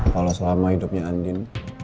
kalo selama hidupnya andien